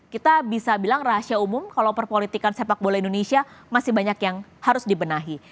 kita bisa bilang rahasia umum kalau perpolitikan sepak bola indonesia masih banyak yang harus dibenahi